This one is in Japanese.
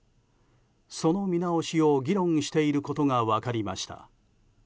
その見直しを議論していることが分かりました。